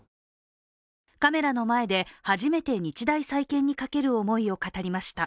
カメラの前で初めて日大再建にかける思いを語りました。